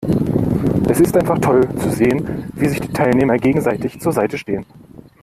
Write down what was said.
Es ist einfach toll zu sehen, wie sich die Teilnehmer gegenseitig zur Seite stehen.